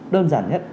đơn giản nhất